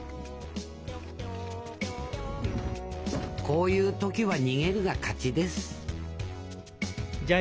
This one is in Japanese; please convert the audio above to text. こういう時は「逃げるが勝ち」です